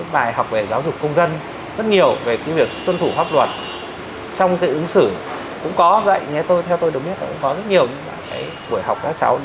bài học về giáo dục công dân rất nhiều về cái việc tuân thủ pháp luật trong cái ứng xử cũng có dạy theo tôi được biết cũng có rất nhiều bài học các cháu